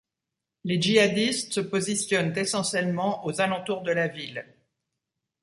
Les djihadistes se positionnent essentiellement aux alentours de la ville.